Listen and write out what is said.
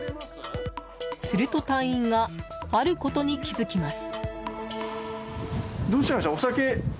すると、隊員があることに気づきます。